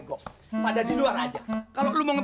gimana nih cara ngedamainnya